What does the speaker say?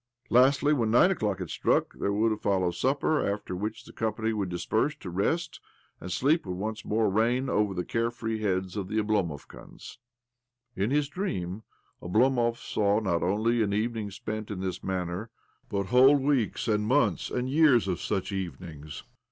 Lastly, when nine o'clock had struck there would follow supper ; after which the com pany would disperse to rest, and sleep would once more reign over the care free heads of the Oblomovkans. In his dream Oblomov sawi not only an evening spent in this manner, but whole weeks and months and years of such even ings.